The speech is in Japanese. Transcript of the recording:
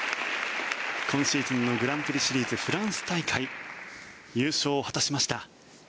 今シーズンのグランプリシリーズフランス大会優勝を果たしました。